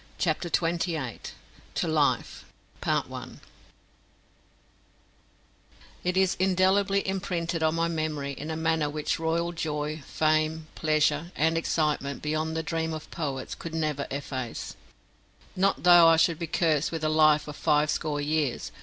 CHAPTER TWENTY EIGHT To Life It is indelibly imprinted on my memory in a manner which royal joy, fame, pleasure, and excitement beyond the dream of poets could never efface, not though I should be cursed with a life of five score years.